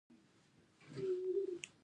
هغه هغې ته د روښانه لاره ګلان ډالۍ هم کړل.